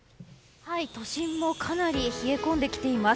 都心もかなり冷え込んできています。